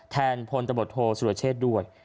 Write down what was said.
แทนพลตรธโทสุรเชษด้วย